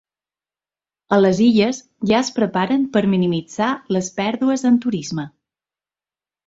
A les Illes ja es preparen per minimitzar les pèrdues en turisme.